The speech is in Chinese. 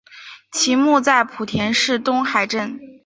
其墓在莆田市东海镇。